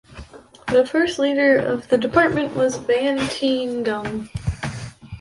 The first leader of the Department was Van Tien Dung.